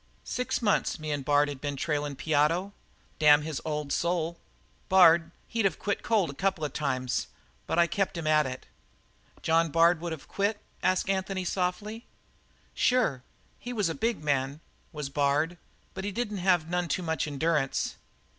"Six months, me and Bard had been trailin' Piotto, damn his old soul! Bard he'd of quit cold a couple of times, but I kept him at it." "John Bard would have quit?" asked Anthony softly. "Sure. He was a big man, was Bard, but he didn't have none too much endurance."